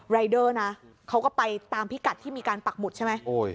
รายเดอร์นะเขาก็ไปตามพิกัดที่มีการปักหมุดใช่ไหม